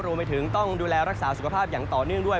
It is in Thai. รวมไปถึงต้องดูแลรักษาสุขภาพอย่างต่อเนื่องด้วย